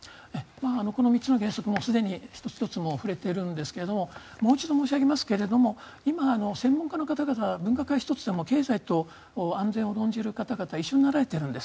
この３つの原則、すでに１つ１つ触れているんですがもう一度申し上げますけれど今、専門家の方々分科会１つでも経済と安全を論じる方々一緒になられてるんです。